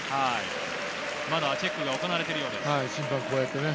チェックが行われているようです。